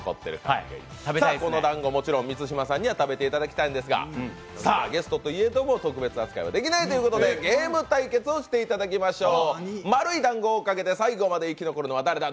このだんご、満島さんには食べていただきたいんですがゲストといえども特別扱いはできないということで、ゲーム対決をしていただきましょう。